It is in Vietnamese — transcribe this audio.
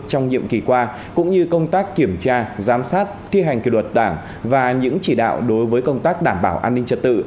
trong nhiệm kỳ qua cũng như công tác kiểm tra giám sát thi hành kỷ luật đảng và những chỉ đạo đối với công tác đảm bảo an ninh trật tự